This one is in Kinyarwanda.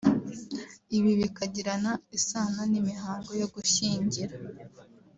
ibi bikagirana isano n'imihango yo gushyingira